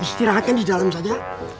istirahatnya di dalam saja